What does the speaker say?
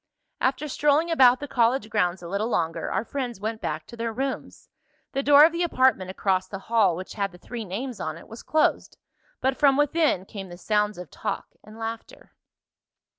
After strolling about the college grounds a little longer our friends went back to their rooms. The door of the apartment across the hall, which had the three names on it, was closed, but from within came the sounds of talk and laughter.